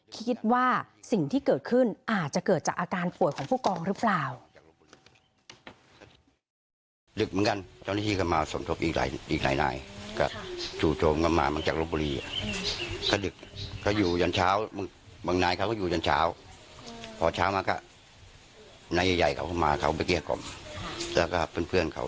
คิดว่าสิ่งที่เกิดขึ้นอาจจะเกิดจากอาการป่วยของผู้กองหรือเปล่า